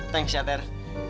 thanks ya ter